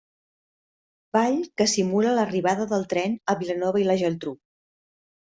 Ball que simula l'arribada del tren a Vilanova i la Geltrú.